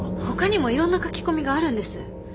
他にもいろんな書き込みがあるんです。